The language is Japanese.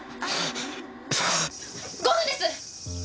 ５分です！！